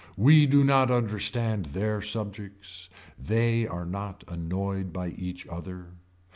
We do not understand their subjects. They are not annoyed by each other.